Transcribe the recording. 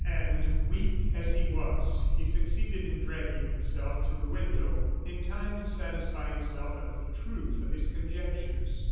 And weak as he was, he succeeded in dragging himself to the window in time to satisfy himself of the truth of his conjectures.